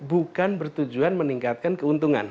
bukan bertujuan meningkatkan keuntungan